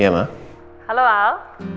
iya tante indira baru telepon ke aku